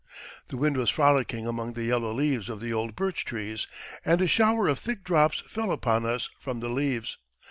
The wind was frolicking among the yellow leaves of the old birch trees, and a shower of thick drops fell upon us from the leaves.